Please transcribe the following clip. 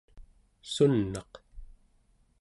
sun'aq